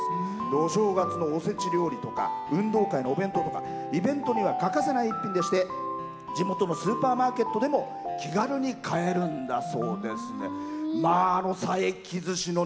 お正月のおせち料理とか運動会のお弁当とかイベントには欠かせない一品でして地元のスーパーマーケットでも気軽に買えるんだそうです。